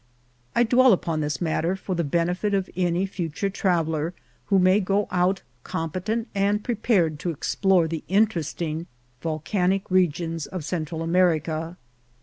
I dwell upon this matter for the benefit of any future traveller who may go out competent and prepared to explore the interesting volcanic regions of Central America.